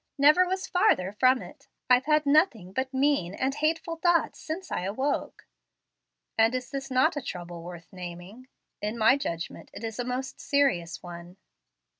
never was farther from it. I've had nothing but mean and hateful thoughts since I awoke." "And is this not a 'trouble worth naming'? In my judgment it is a most serious one."